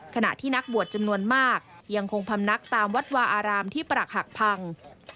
ขณะที่นักบวชจำนวนมากยังคงพำนักตามวัดวาอารามที่ปรักหักพัง